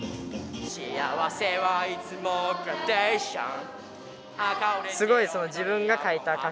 「幸せはいつもグラデーション」